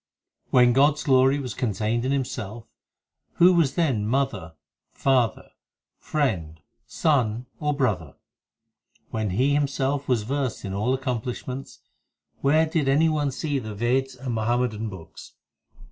5 When God s glory was contained in Himself, Who was then mother, father, friend, son, or brother ? When He Himself was versed in all accomplishments, Where did any one see the Veds and Muhammadan books?